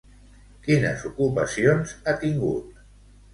Quines ocupacions ha tingut?